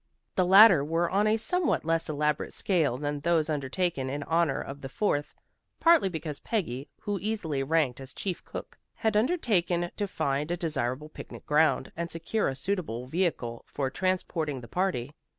The latter were on a somewhat less elaborate scale than those undertaken in honor of the Fourth, partly because Peggy, who easily ranked as chief cook, had undertaken to find a desirable picnic ground and secure a suitable vehicle for transporting the party.